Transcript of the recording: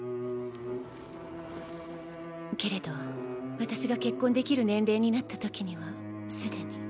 けれど私が結婚できる年齢になったときにはすでに。